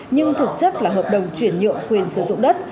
nhưng thực chất là hợp đồng chuyển nhượng quyền sử dụng đất